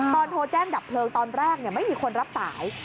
โทรแจ้งดับเพลิงตอนแรกไม่มีคนรับสาย